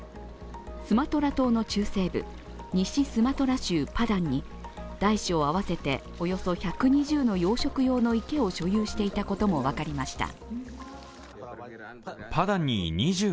スマトラ島の中西部西スマトラ州パダンに大小合わせておよそ１２０の養殖用の池を所有していたことも分かりました。